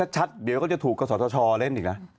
ชัดเดี๋ยวก็จะถูกกสทชเล่นอีกนะ